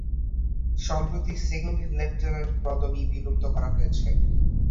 সম্প্রতি second lieutenant পদবী বিলুপ্ত করা হয়েছে।